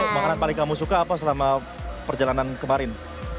makanan paling kamu suka apa selama perjalanan kemarin